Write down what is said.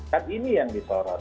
kan ini yang disorot